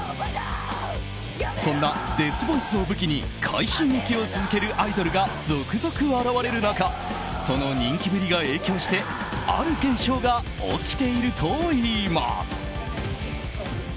そんなデスボイスを武器に快進撃を続けるアイドルが続々現れる中その人気ぶりが影響してある現象が起きているといいます。